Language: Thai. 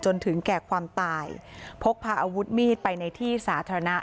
จนถึงแก่ความตายพกพาอาวุธมีดไปในที่สาธารณะ